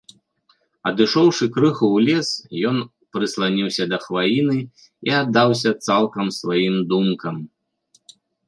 Адышоўшы крыху ў лес, ён прысланіўся да хваіны і аддаўся цалкам сваім думкам.